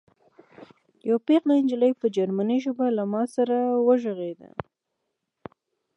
یوه پېغله نجلۍ په جرمني ژبه له ما سره وغږېده